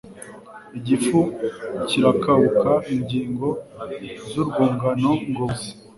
Igifu kirakabuka ingingo zurwungano ngogozi